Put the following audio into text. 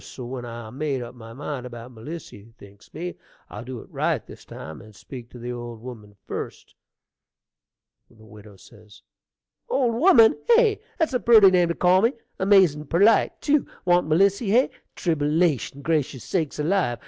So when I made up my mind about Melissy, thinks me, I'll do it right this time, and speak to the old woman first Widow Old woman, hey! That's a purty name to call me! amazin' perlite, tew! Want Melissy, hey! Tribble ation! gracious sakes alive!